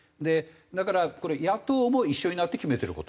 だからこれ野党も一緒になって決めてる事。